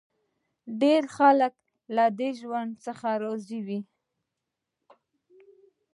ډېری خلک له دې ژوند څخه راضي وو